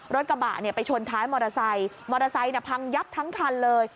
รถกระบะเนี่ยไปชนท้ายมอเตอร์ไซค์มอเตอร์ไซค์พังยับทั้งคันเลย